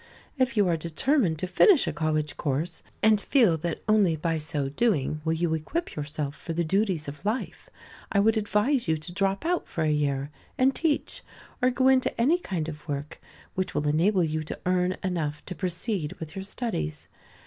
If you are determined to finish a college course, and feel that only by so doing will you equip yourself for the duties of life, I would advise you to drop out for a year and teach, or go into any kind of work which will enable you to earn enough to proceed with your studies.